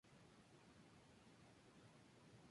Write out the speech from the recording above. Se unió a la Luftwaffe el siendo entrenado como piloto.